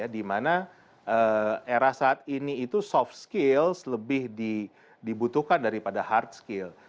di mana era saat ini itu soft skills lebih dibutuhkan daripada hard skills